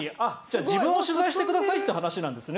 自分を取材してくださいって話なんですね。